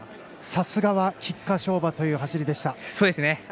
さすがは菊花賞馬というような走りでした。